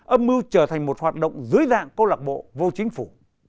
âm mưu trở thành một hoạt động dưới dạng cô lạc bộ vô chính phủ